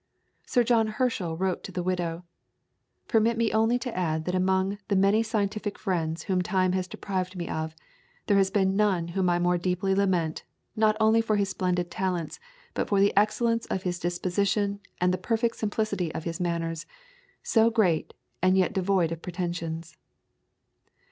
Sir John Herschel wrote to the widow: "Permit me only to add that among the many scientific friends whom time has deprived me of, there has been none whom I more deeply lament, not only for his splendid talents, but for the excellence of his disposition and the perfect simplicity of his manners so great, and yet devoid of pretensions."